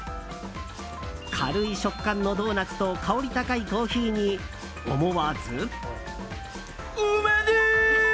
軽い食感のドーナツと香り高いコーヒーに、思わず。